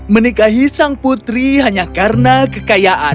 menikahi sang putri hanya karena kekayaan